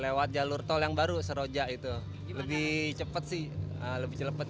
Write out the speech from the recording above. lewat jalur tol yang baru seroja itu lebih cepat sih lebih cepat